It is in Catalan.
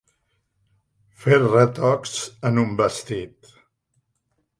Fer retocs en un vestit.